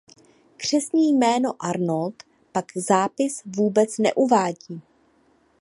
Křestní jméno Arnold pak zápis vůbec neuvádí.